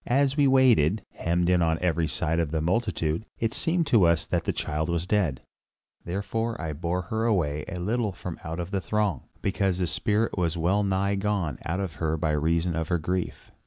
As we waited, hemmed in on every side by the multitude, it seemed to us that the child was dead, therefore I bore her away a little from out the throng, because the spirit was well nigh gone out of her by reason of her grief.